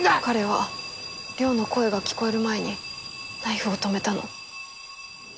彼は稜の声が聞こえる前にナイフを止めたの。